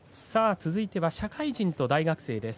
続いては社会人と大学生です。